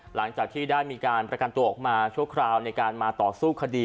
หลังจากที่ได้มีการประกันตัวออกมาชั่วคราวในการมาต่อสู้คดี